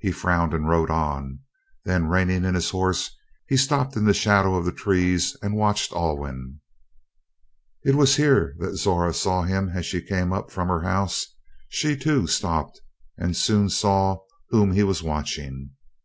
He frowned and rode on. Then reining in his horse, he stopped in the shadow of the trees and watched Alwyn. It was here that Zora saw him as she came up from her house. She, too, stopped, and soon saw whom he was watching.